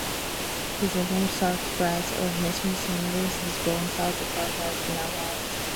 His nickname "Sarfraz" originates from the similarities of his bowling style to Sarfraz Nawaz.